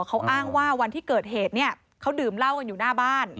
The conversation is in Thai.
เขาอ้างว่าวันที่เกิดเหตุเนี่ยเขาดื่มเหล้ากันอยู่หน้าบ้าน